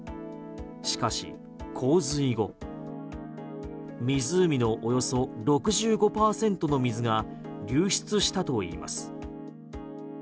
しかし、洪水後湖のおよそ６５％の水が流出したといいます。